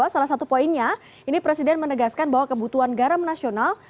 salah satu poinnya ini presiden menegaskan bahwa kebutuhan garam nasional